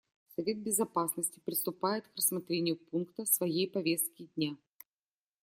Совет Безопасности приступает к рассмотрению пункта своей повестки дня.